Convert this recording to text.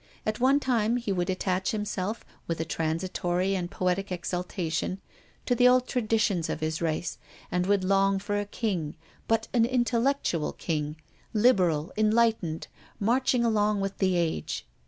At one time, he would attach himself, with a transitory and poetic exaltation, to the old traditions of his race, and would long for a king, but an intellectual king, liberal, enlightened, marching along with the age.